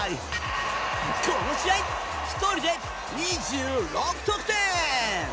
この試合、１人で２６得点。